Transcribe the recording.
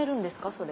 それ。